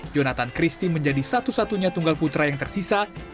jonathan christie menjadi satu satunya tunggal putra yang tersisa